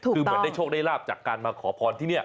คือเหมือนได้โชคได้ลาบจากการมาขอพรที่นี่